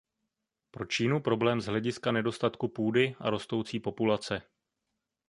Pro Čínu problém z hlediska nedostatku půdy a rostoucí populace.